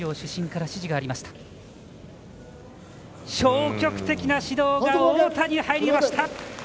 消極的な指導が太田に入りました。